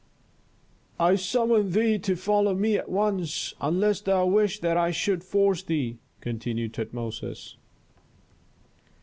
"I summon thee to follow me at once, unless thou wish that I should force thee," continued Tutmosis.